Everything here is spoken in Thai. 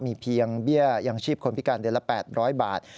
มีเพียงเบี้ยยังชีพคนพิการเดือนละ๘๐๐บาท